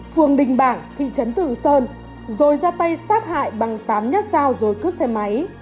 phường đình bảng thị trấn tử sơn rồi ra tay sát hại bằng tám nhát dao rồi cướp xe máy